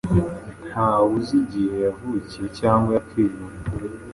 ntawe uzi igihe yavukiye cyangwa yapfiriye.